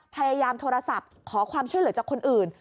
พยายามโทรศัพท์ขอความช่วยเหลือจากคนอื่น